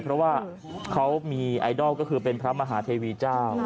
เพราะว่าเขามีไอดอลก็คือเป็นพระมหาเทวีเจ้า